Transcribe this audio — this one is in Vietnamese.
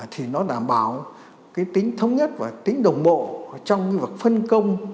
thì nó đảm bảo cái tính thống nhất và tính đồng bộ trong cái việc phân công